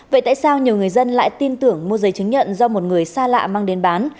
vậy tại sao nhiều người dân lại tin tưởng mua giấy chứng nhận do một người xa lạ mang đến bán